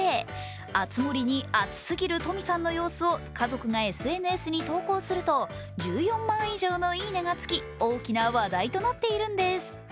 「あつ森」に熱すぎるとみさんの様子を家族がＳＮＳに投稿すると１４万以上のいいねがつき大きな話題となっているんです。